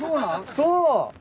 そう。